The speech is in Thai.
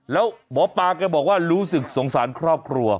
แล้วหมอปลาแกบอกว่ารู้สึกสงสารครอบครัว